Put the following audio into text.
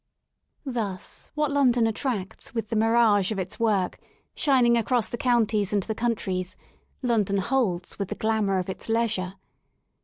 Thus what London attracts with the mirage of its work shining across the counties and the countries, London holds with the glamour of its leisure.